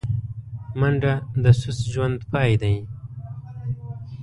منډه د سست ژوند پای دی